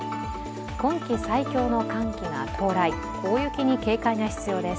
今季最強の寒気が到来、大雪に警戒が必要です。